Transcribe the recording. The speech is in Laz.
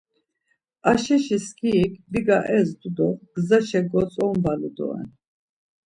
Ayşeşi skirik biga ezdu do gzaşa gotzonvalu doren.